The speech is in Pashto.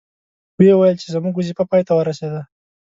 وې ویل چې زموږ وظیفه پای ته ورسیده.